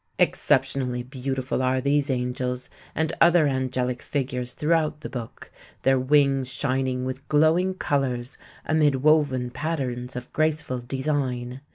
Exceptionally beautiful are these angels and other angelic figures throughout the book, their wings shining with glowing colors amid woven patterns of graceful design.